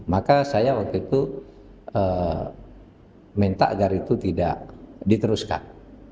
maka saya waktu itu minta agar itu tidak diteruskan